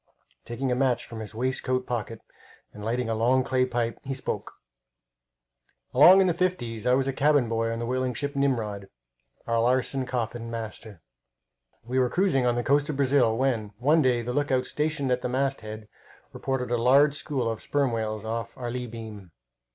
Taking a match from his waistcoat pocket and lighting a long clay pipe, he spoke: Along in the fifties I was cabin boy on the whaling ship Nimrod, Alarson Coffin, master. We were cruising on the coast of Brazil when, one day, the lookout, stationed at the masthead, reported a large school of sperm whales off our lee beam.